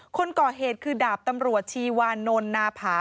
คนก่อเหตุคือดาบตำรวจชีวานนทนาผา